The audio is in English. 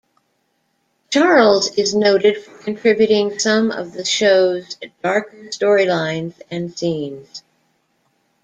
Charles is noted for contributing some of the show's darker storylines and scenes.